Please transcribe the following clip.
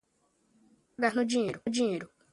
Vou pagar no dinheiro.